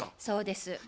そうです。